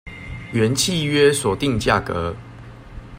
原契約所定價格